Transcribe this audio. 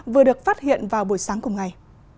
vừa được phát hiện vào buổi sáng cùng ngày